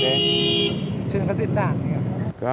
chứ không có diễn đảng gì ạ